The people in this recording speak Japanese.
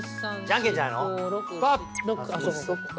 じゃんけんじゃないの？